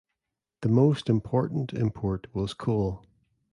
The most important import was coal.